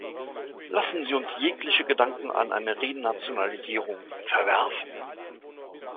Lassen Sie uns jegliche Gedanken an eine Renationalisierung verwerfen.